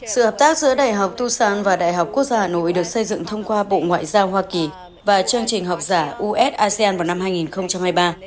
sự hợp tác giữa đại học tucson và đại học quốc gia hà nội được xây dựng thông qua bộ ngoại giao hoa kỳ và chương trình học giả us asean vào năm hai nghìn hai mươi ba